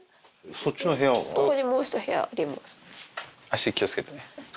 足気を付けてね。